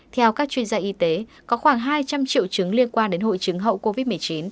theo các chuyên gia y tế có khoảng hai trăm linh triệu chứng liên quan đến hội chứng hậu covid một mươi chín